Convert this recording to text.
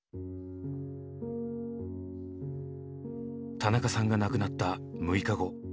田中さんが亡くなった６日後。